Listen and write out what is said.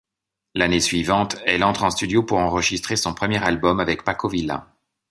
L'année suivante, elle entre en studio pour enregistrer son premier album, avec Paco Vila.